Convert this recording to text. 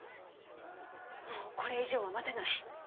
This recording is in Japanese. もうこれ以上は待てない。